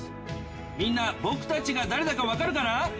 みんな、僕たちが誰だか分かるかな？